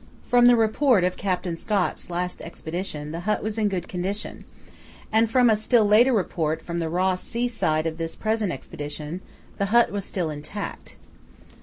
From the report of Captain Scott's last Expedition the hut was in good condition, and from a still later report from the Ross Sea side of this present Expedition, the hut was still intact.